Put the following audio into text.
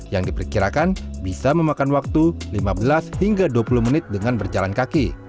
yang diperkirakan bisa memakan waktu lima belas hingga dua puluh menit dengan berjalan kaki